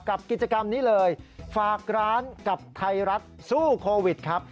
กิจกรรมนี้เลยฝากร้านกับไทยรัฐสู้โควิดครับ